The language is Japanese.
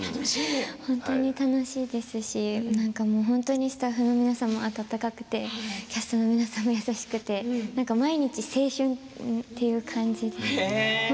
本当に楽しいですしなんか本当にスタッフの皆さんも温かくてキャストの皆さんも優しくてなんか毎日青春という感じで。